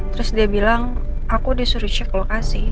terus dia bilang aku disuruh sheikh lokasi